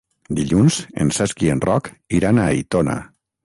Dilluns en Cesc i en Roc iran a Aitona.